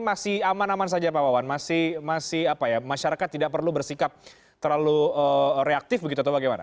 masih aman aman saja pak wawan masih apa ya masyarakat tidak perlu bersikap terlalu reaktif begitu atau bagaimana